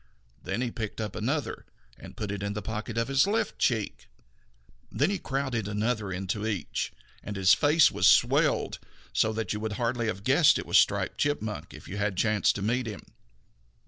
Then he picked up another and put that in the pocket in his left cheek. Then he crowded another into each; and his face was swelled so that you would hardly have guessed that it was Striped Chipmunk if you had chanced to meet him.